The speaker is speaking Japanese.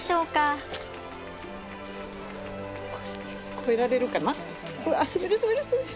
越えられるかな？